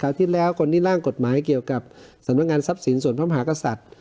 ที่แล้วคนที่ร่างกฎหมายเกี่ยวกับสำนักงานทรัพย์สินส่วนพระมหากษัตริย์